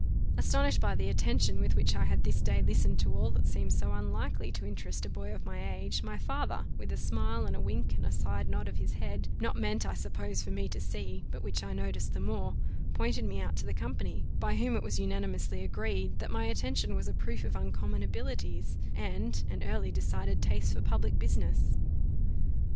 Astonished by the attention with which I had this day listened to all that seemed so unlikely to interest a boy of my age, my father, with a smile and a wink, and a side nod of his head, not meant, I suppose, for me to see, but which I noticed the more, pointed me out to the company, by whom it was unanimously agreed, that my attention was a proof of uncommon abilities, and an early decided taste for public business.